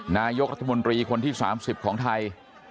นายกรัฐมนตรีคนที่๓๐ของไทย